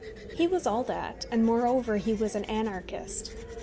He was all that, and, moreover, he was an anar / chist.